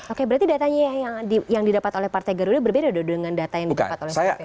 oke berarti datanya yang didapat oleh partai garuda berbeda dengan data yang didapat oleh kpu